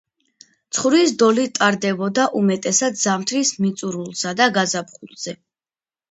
ცხვრის დოლი ტარდებოდა უმეტესად ზამთრის მიწურულსა და გაზაფხულზე.